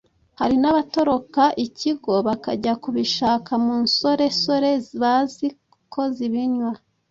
Hari n’abatoroka ikigo bakajya kubishaka mu nsoresore bazi ko zibinywa